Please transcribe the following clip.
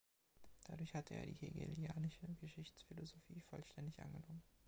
Dadurch hatte er die hegelianische Geschichtsphilosophie vollständig angenommen.